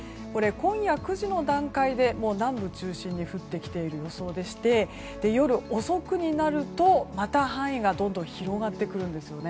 今夜９時の段階で南部中心に降ってきている予想でして夜遅くになると、また範囲がどんどん広がってくるんです。